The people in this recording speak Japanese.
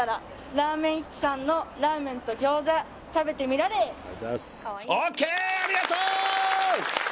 「ラーメン一喜さんのラーメンとぎょうざ食べてみられぇ！」ＯＫ